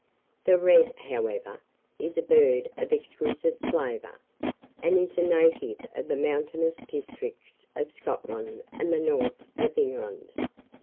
The red, however, is a bird of exquisite flavour, and is a native of the mountainous districts of Scotland and the north of England.